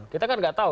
kita kan nggak tahu